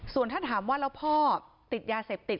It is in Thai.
ส่วนถ้าถามว่าแล้วพ่อติดยาเสพติด